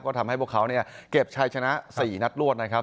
ก็ทำให้พวกเขาเนี่ยเก็บชัยชนะ๔นัดรวดนะครับ